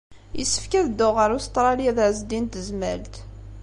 Yessefk ad dduɣ ɣer Ustṛalya d Ɛezdin n Tezmalt.